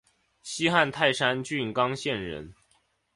西汉泰山郡刚县人。